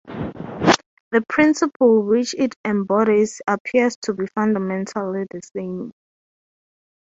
The principle which it embodies appears to be fundamentally the same.